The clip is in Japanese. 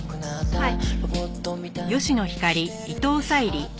はい。